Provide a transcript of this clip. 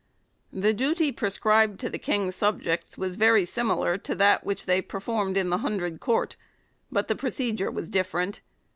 The duty pre scribed to the King's subjects was very similar to that which they performed in the hundred court, 1 but the procedure was different.